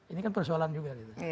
ini kan persoalan juga